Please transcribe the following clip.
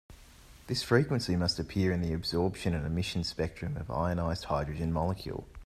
This frequency must appear in the absorption and emission spectrum of ionized hydrogen molecule.